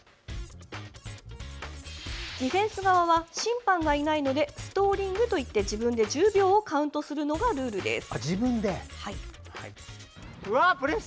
ディフェンス側は審判がいないのでストーリングといって自分で１０秒をカウントするのがルールです。